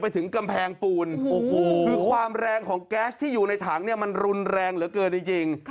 ถึงกำแพงปูนคือความแรงของแก๊สที่อยู่ในถังเนี่ยมันรุนแรงเหลือเกินจริง